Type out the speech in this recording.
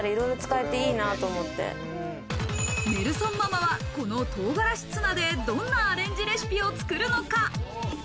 ネルソンママは、この唐辛子ツナでどんなアレンジレシピを作るのか。